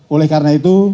oleh karena itu